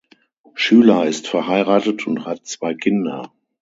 Schüler ist verheiratet und hat zwei Kinder.